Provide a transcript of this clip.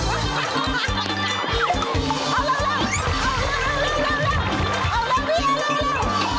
เอาแล้วพี่เอาเร็ว